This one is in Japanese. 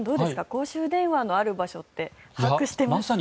公衆電話のある場所って把握してますか？